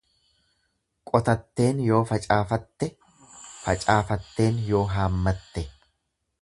Qotatteen yoo facaaffatte, facaafatteen yoo haammaatte.